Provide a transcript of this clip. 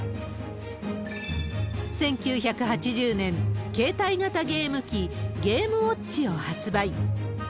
１９８０年、携帯型ゲーム機、ゲーム＆ウオッチを発売。